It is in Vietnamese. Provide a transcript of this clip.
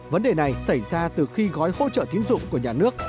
vấn đề này xảy ra từ khi gói hỗ trợ tiến dụng của nhà nước